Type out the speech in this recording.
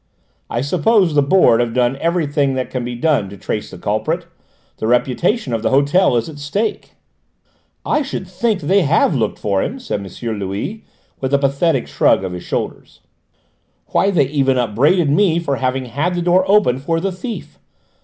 I suppose the Board have done everything that can be done to trace the culprit? The reputation of the hotel is at stake." "I should think they have looked for him!" said M. Louis, with a pathetic shrug of his shoulders. "Why, they even upbraided me for having had the door opened for the thief!